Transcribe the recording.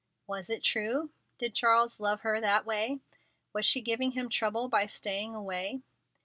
Was it true? Did Charles love her that way? Was she giving him trouble by staying away?